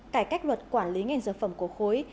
cải cách luật quản lý ngành dược phẩm của khối